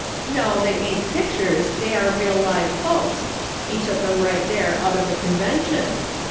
No, they ain't pictures, they are real live folks ; he took 'em right there out of the Convention.